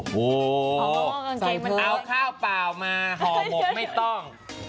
โอ้โหเอาข้าวเปล่ามาห่อหมกไม่ต้อง